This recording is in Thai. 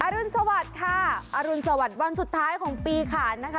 รุนสวัสดิ์ค่ะอรุณสวัสดิ์วันสุดท้ายของปีขานนะคะ